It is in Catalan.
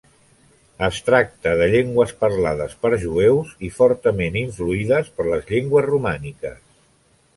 Es tracta de llengües parlades per jueus i fortament influïdes per les llengües romàniques.